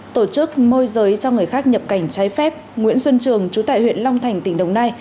tổ chức môi giới cho người khác nhập cảnh trái phép nguyễn xuân trường chú tại huyện long thành tỉnh đồng nai